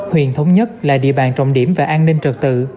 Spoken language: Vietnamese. huyện thống nhất là địa bàn trọng điểm và an ninh trật tự